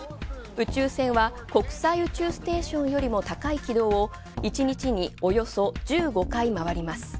宇宙船は国際宇宙ステーションより高い軌道を１日におよそ１５回まわります。